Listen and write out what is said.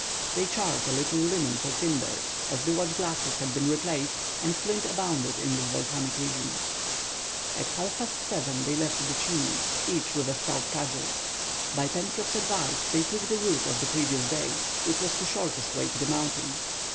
They charred a little linen for tinder, as the watch glasses had been replaced, and flint abounded in this volcanic region. At half past 7 they left the Chimneys, each with a stout cudgel. By Pencroff's advice, they took the route of the previous day, which was the shortest way to the mountain.